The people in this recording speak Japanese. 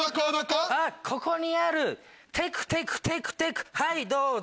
あっここにあるテクテクテクテクはいどうぞ